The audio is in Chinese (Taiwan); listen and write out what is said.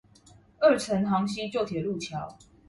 二層行溪舊鐵路橋